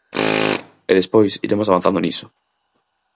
E despois iremos avanzando niso.